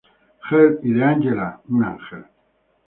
Hell y de Angela, un ángel.